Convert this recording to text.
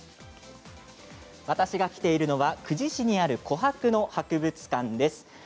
私が来ているのは久慈市にある琥珀の博物館です。